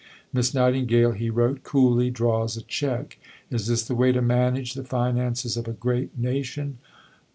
Miss Nightingale, he wrote, "coolly draws a cheque. Is this the way to manage the finances of a great nation?